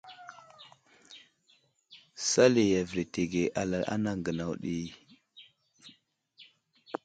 Sali avəletege alal a anaŋ gənaw yaŋ ɗi.